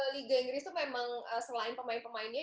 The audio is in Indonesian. liga inggris itu memang selain pemain pemainnya